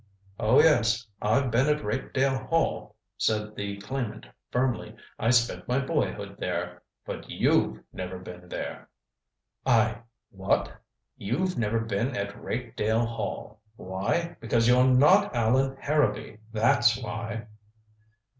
"Oh, yes I've been at Rakedale Hall," said the claimant firmly. "I spent my boyhood there. But you've never been there." "I what " "You've never been at Rakedale Hall. Why? Because you're not Allan Harrowby! That's why."